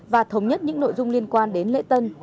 và thống nhất những nội dung liên quan đến lễ tân